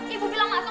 ibu bilang masuk